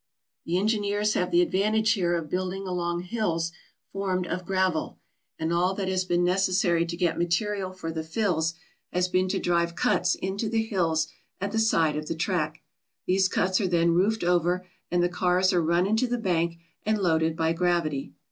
The engineers have the advantage here of building along hills formed of gravel, and all that has been necessary to get material for the fills has been to drive cuts into the hills at the side of the track. These cuts are then roofed over and the cars are run into the bank and loaded by gravity.